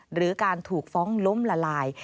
หรือการถูกฟ้องล้มละลาย